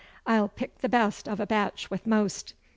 I'll pick the best of a batch with most.